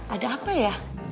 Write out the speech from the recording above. ada apa ya